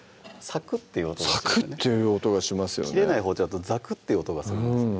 サクッていう音がしますよね切れない包丁だとザクッていう音がするんです